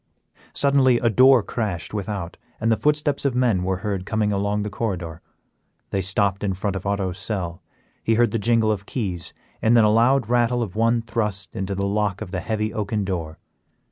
Suddenly a door crashed without, and the footsteps of men were heard coming along the corridor. They stopped in front of Otto's cell; he heard the jingle of keys, and then a loud rattle of one thrust into the lock of the heavy oaken door.